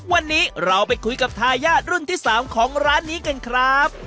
วันนี้เราไปคุยกับทายาทรุ่นที่๓ของร้านนี้กันครับ